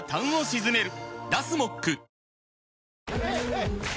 はい！